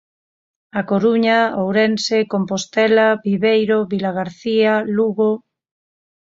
A Coruña, Ourense, Compostela, Viveiro, Vilagarcía, Lugo...